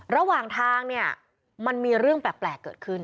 ระหว่างทางเนี่ยมันมีเรื่องแปลกเกิดขึ้น